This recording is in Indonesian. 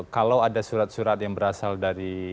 kalau ada surat surat yang berasal dari